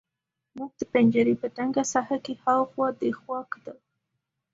موږ د پنجرې په تنګه ساحه کې هاخوا دېخوا کتل